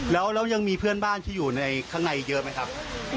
แล้วยังมีเพื่อนบ้านที่อยู่ในข้างในเยอะไหมครับ